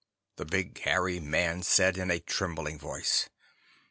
the big, hairy man said in a trembling voice.